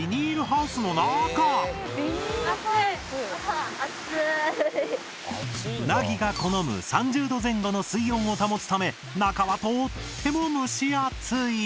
ウナギが好む３０℃前後の水温を保つため中はとっても蒸し暑い！